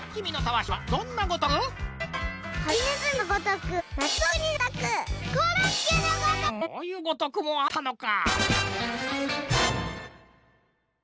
うんうんそういう「ごとく」もあったのか。